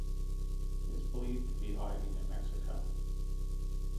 He is believed to be hiding in Mexico.